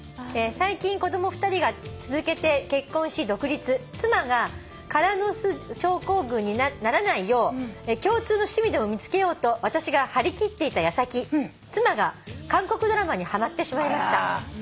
「最近子供２人が続けて結婚し独立」「妻が空の巣症候群にならないよう共通の趣味でも見つけようと私が張りきっていた矢先妻が韓国ドラマにはまってしまいました」